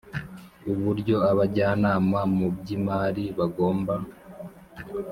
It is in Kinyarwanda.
uburyo abajyanama mu by imari bagomba